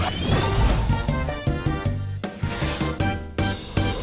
รับทราบ